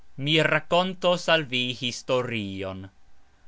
Mi rakontos al vi historion.